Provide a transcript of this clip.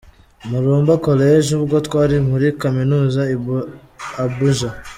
Murumba College, ubwo twari muri kaminuza i Abuja.